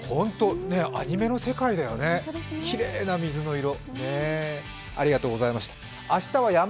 アニメの世界だよね、きれいな水の色。